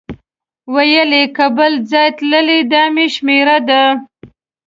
ویل یې که بل ځای تللی دا مې شمېره ده.